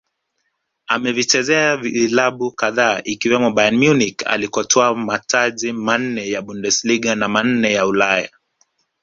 Amevichezea vilabu kadhaa ikiwemo Bayern Munich alikotwaa mataji manne ya Bundersliga na manne Ulaya